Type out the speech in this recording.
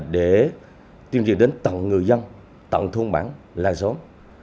để tuyên truyền đến tận người dân tận thôn bản lai xóm